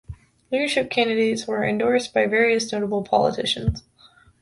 Leadership candidates were endorsed by various notable politicians.